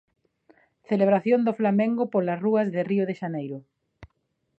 Celebración do Flamengo polas rúas de Río de Xaneiro.